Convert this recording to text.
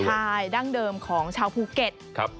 ใช่ดั้งเดิมของชาวภูเก็ต